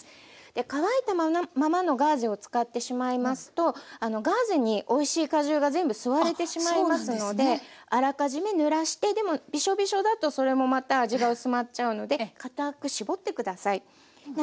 乾いたままのガーゼを使ってしまいますとガーゼにおいしい果汁が全部吸われてしまいますのであらかじめぬらしてでもビショビショだとそれもまた味が薄まっちゃうのでかたくしぼって下さい。